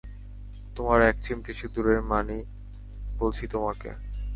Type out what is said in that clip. তোমার এক চিমটি সিদুরের মানি বলছি তোমাকে।